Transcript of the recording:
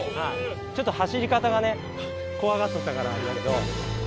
ちょっと走り方がね怖がっとったからあれだけど。